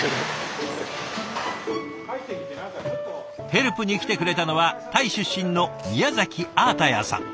ヘルプに来てくれたのはタイ出身の宮崎アータヤーさん。